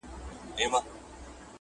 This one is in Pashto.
له هري غیږي له هر یاره سره لوبي کوي!.